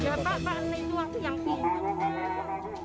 ya pak pak ini orang yang pilih